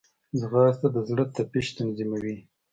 ځغاسته د زړه تپش تنظیموي